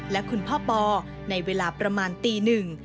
และคุณพ่อปอในเวลาประมาณตีหนึ่ง